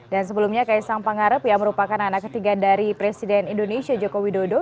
dan sebelumnya kaisang pangarep yang merupakan anak ketiga dari presiden indonesia joko widodo